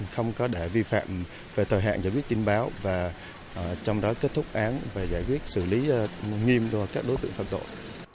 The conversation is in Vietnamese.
không có để vi phạm về thời hạn giải quyết tin báo và trong đó kết thúc án và giải quyết xử lý nghiêm các đối tượng phạm tội